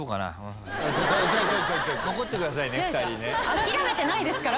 諦めてないですから。